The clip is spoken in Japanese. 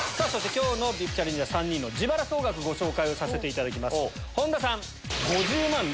今日のＶＩＰチャレンジャー３人の自腹総額ご紹介させていただきます。